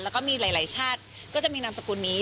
แล้วก็มีหลายชาติก็จะมีนามสกุลนี้